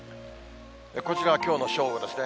こちらはきょうの正午ですね。